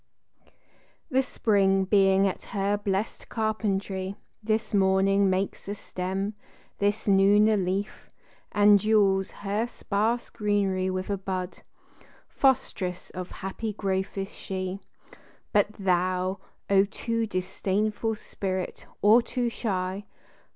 THE spring being at her blessed carpentry, This morning makes a stem, this noon a leaf, And jewels her sparse greenery with a bud; Fostress of happy growth is she. But thou, O too disdainful spirit, or too shy!